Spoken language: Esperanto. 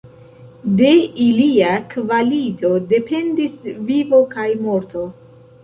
De ilia kvalito dependis vivo kaj morto.